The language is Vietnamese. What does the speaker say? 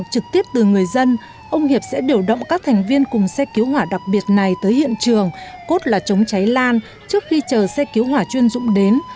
các thành viên cùng xe cứu hỏa đặc biệt này tới hiện trường cốt là chống cháy lan trước khi chờ xe cứu hỏa chuyên dụng đến